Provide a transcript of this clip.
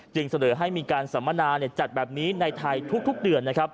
จึงเสนอให้มีการสัมมนาจัดแบบนี้ในไทยทุกเดือน